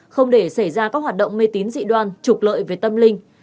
không để xảy ra các hoạt động mê tín dị đoan trục lợi về tâm linh